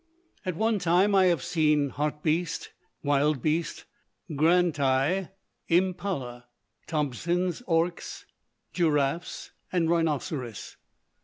At one time I have seen hartbeest, wildbeest, grantii, mpallah, Thomson's oryx, giraffes and rhinoceros.